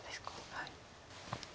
はい。